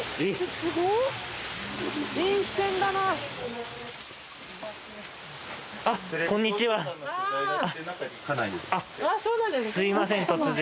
すみません突然。